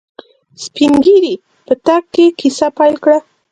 سپينږيري په تګ کې کيسه پيل کړه.